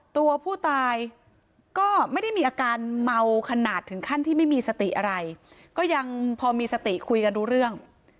ตัวผู้ตายก็ไม่ได้มีอาการเมาขนาดถึงขั้นที่ไม่มีสติอะไรก็ยังพอมีสติคุยกันรู้เรื่อง